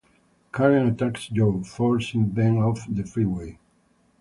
Karen attacks Joe, forcing them off the freeway.